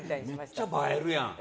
めっちゃ映えるやん！